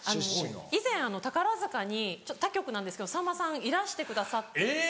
以前宝塚に他局なんですけどさんまさんいらしてくださった。